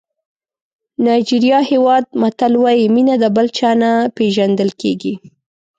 نایجېریا هېواد متل وایي مینه د بل چا نه پېژندل کېږي.